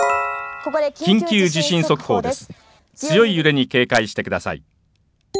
ここで緊急地震速報です。